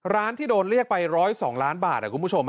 ร้านที่โดนเรียกไป๑๐๒ล้านบาท